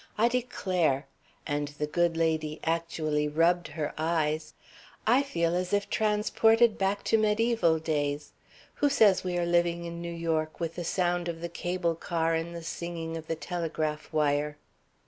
I declare" and the good lady actually rubbed her eyes "I feel as if transported back to mediæval days. Who says we are living in New York within sound of the cable car and the singing of the telegraph wire?"